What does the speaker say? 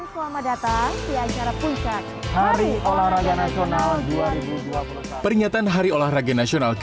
saya mengucapkan selamat datang di acara puncak h o r n a s ke tiga puluh delapan